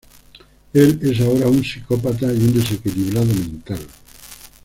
Él es ahora un psicópata y un desequilibrado mental.